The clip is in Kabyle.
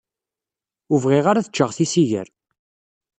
Ur bɣiɣ ara ad ččeɣ tisigar.